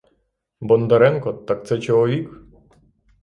Бондаренко — так це чоловік!